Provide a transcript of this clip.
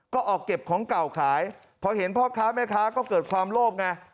ก็ออกเก็บของเก่าขายพอเห็นพ่อค้าแม่ค้าก็เกิดความโลภไง